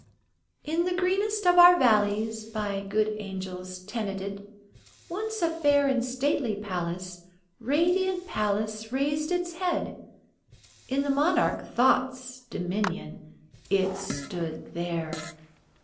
In the greenest of our valleys By good angels tenanted, Once a fair and stately palace Radiant palace reared its head. In the monarch Thought's dominion It stood there!